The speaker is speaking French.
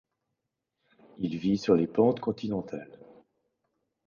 Il vit sur les pentes continentales.